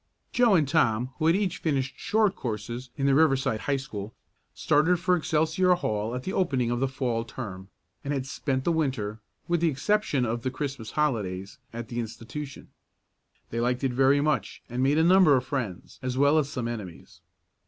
Joe and Tom, who had each finished short courses in the Riverside High School, started for Excelsior Hall at the opening of the Fall term, and had spent the Winter, with the exception of the Christmas holidays, at the institution. They liked it very much, and made a number of friends as well as some enemies.